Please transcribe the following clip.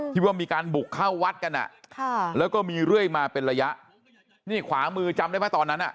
ที่ว่ามีการบุกเข้าวัดกันอ่ะค่ะแล้วก็มีเรื่อยมาเป็นระยะนี่ขวามือจำได้ไหมตอนนั้นอ่ะ